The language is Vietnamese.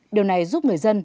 điều này giúp người dân